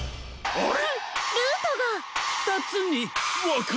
あれ？